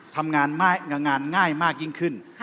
ทำงานงานง่ายมากยิ่งขึ้น